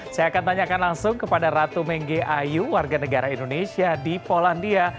saya akan tanyakan langsung kepada ratu mengge ayu warga negara indonesia di polandia